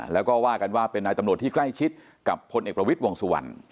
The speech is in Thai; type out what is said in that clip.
แล้วก็ว่ากันว่าเป็นนายตำรวจที่ใกล้ชิดกับพลเอกประวิทย์วงสุวรรณ